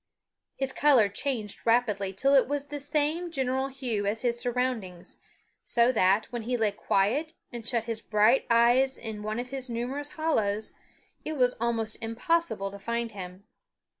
His color changed rapidly till it was the same general hue as his surroundings, so that, when he lay quiet and shut his bright eyes in one of his numerous hollows, it was almost impossible to find him.